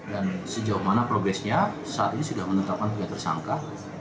dan sejauh mana progresnya saat ini sudah menetapkan tiga tersangka